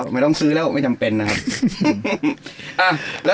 ไม่ต้องซื้อแล้วไม่จำเป็นนะครับ